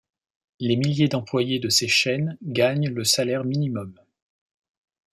Les milliers d'employés de ces chaînes gagnent le salaire minimum.